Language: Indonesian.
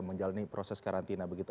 menjalani proses karantina begitu